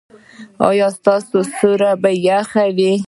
ایا ستاسو سیوري به يخ وي؟